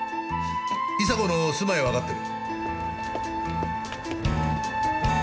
伊沙子の住まいはわかってる。